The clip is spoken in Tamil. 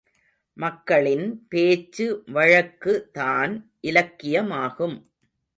மக்களின் பேச்சு வழக்குதான் இலக்கியமாகும்.